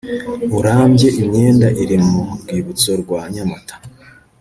burambye imyenda iri mu rwibutso rwa nyamata